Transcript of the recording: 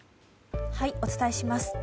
お伝えします。